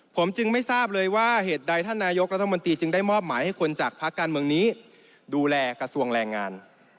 ผมจึงไม่ทราบเลยว่าเหตุใดท่านนายกรัฐมนตรีจึงได้มอบหมายให้คนจากภาคการเมืองนี้ดูแลกระทรวงแรงงาน